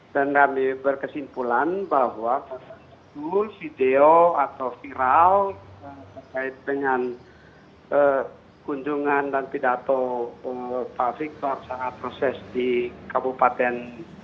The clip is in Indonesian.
dan kami berkesimpulan bahwa video atau viral terkait dengan kunjungan dan pidato pak victor saat proses di kabupaten